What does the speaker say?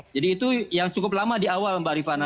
jadi itu yang cukup lama di awal mbak rifana